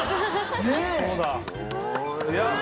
そうだ。